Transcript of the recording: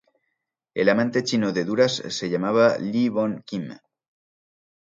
El amante chino de Duras se llamaba Lee Von Kim.